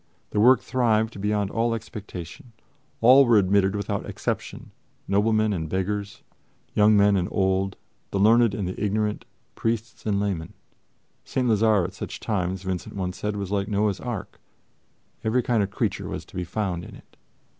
The work thrived beyond all expectation. All were admitted without exception: noblemen and beggars, young men and old, the learned and the ignorant, priests and laymen. St. Lazare at such times, Vincent once said, was like Noah's ark: every kind of creature was to be found in it.